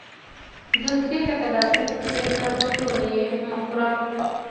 دوستي لکه د عسل په څېر ده، خو ټوله یې مه خوره.